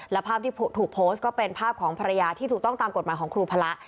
และภาพที่ถูกโพสต์ก็เป็นภาพของภรรยาที่ถูกต้องตามกฎหมายของครูพระ